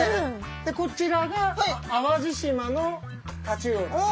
でこちらが淡路島のタチウオです。